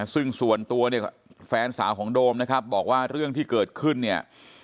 ซึ่งส่วนตัวเนี่ยแฟนสาวของโดมนะครับบอกว่าเรื่องที่เกิดขึ้นเนี่ย